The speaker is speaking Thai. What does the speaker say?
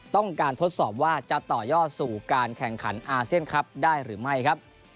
ทดสอบว่าจะต่อยอดสู่การแข่งขันอาเซียนคลับได้หรือไม่ครับ